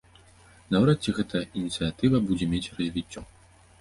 Наўрад ці гэтая ініцыятыва будзе мець развіццё.